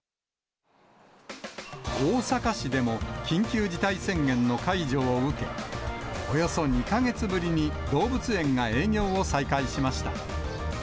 大阪市でも緊急事態宣言の解除を受け、およそ２か月ぶりに、動物園が営業を再開しました。